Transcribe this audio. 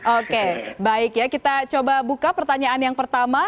oke baik ya kita coba buka pertanyaan yang pertama